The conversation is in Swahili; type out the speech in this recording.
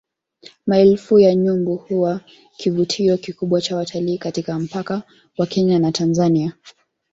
Maelfu ya nyumbu huwa kivutio kikubwa cha watalii katika mpaka wa Kenya na Tanzania